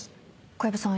小籔さん